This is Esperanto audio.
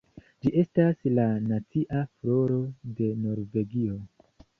Ĝi estas la nacia floro de Norvegio.